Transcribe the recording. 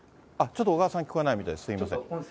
ちょっと小川さん聞こえないみたいです、すみません。